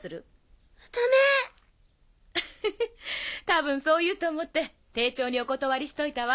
多分そう言うと思って丁重にお断りしといたわ。